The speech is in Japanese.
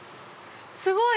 すごい！